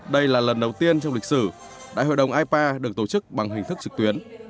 đây là lần đầu tiên trong lịch sử đại hội đồng ipa được tổ chức bằng hình thức trực tuyến